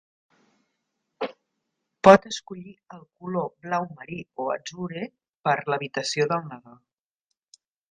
Pot escollir el color blau marí o azure per l'habitació del nadó.